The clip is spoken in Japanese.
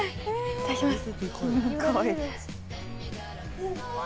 いただきます。